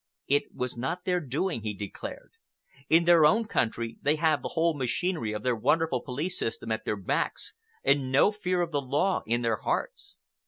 "It was not their doing," he declared. "In their own country, they have the whole machinery of their wonderful police system at their backs, and no fear of the law in their hearts.